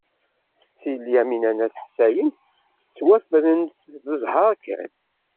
Setti Lyamina n At Ḥsayen tettwafren-d d zzheṛ kan.